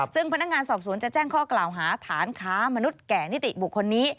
ซึ่งพนักงานสอบสวนจะแจ้งข้อกล่าวหาฐานค้ามนุษย์แก่นิติบุคคลนี้